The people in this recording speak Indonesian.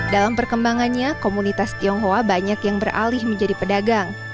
dalam perkembangannya komunitas tionghoa banyak yang beralih menjadi pedagang